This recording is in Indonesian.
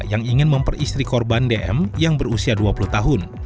yang ingin memperistri korban dm yang berusia dua puluh tahun